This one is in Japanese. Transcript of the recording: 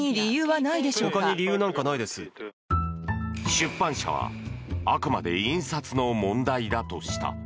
出版社はあくまで印刷の問題だとした。